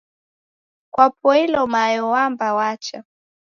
Kwapoilo mayo wamba wacha